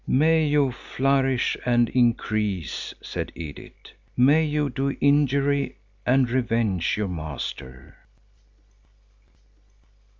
"May you flourish and increase," said Edith. "May you do injury and revenge your master!"